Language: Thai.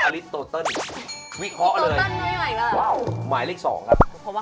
ลูกโรคเรา